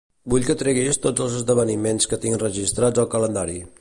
Vull que treguis tots els esdeveniments que tinc registrats al calendari.